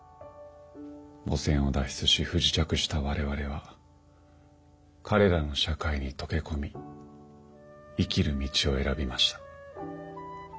母船を脱出し不時着した我々は彼らの社会に溶け込み生きる道を選びました。